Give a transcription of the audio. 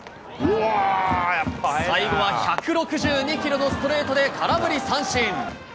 最後は１６２キロのストレートで空振り三振。